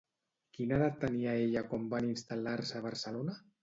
Quina edat tenia ella quan van instal·lar-se a Barcelona?